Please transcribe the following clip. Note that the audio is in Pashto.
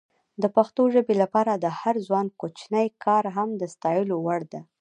د پښتو ژبې لپاره د هر ځوان کوچنی کار هم د ستایلو وړ ده.